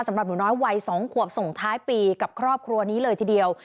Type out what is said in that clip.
หนูน้อยวัย๒ขวบส่งท้ายปีกับครอบครัวนี้เลยทีเดียว